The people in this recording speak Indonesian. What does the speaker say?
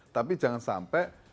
tapi jangan sampai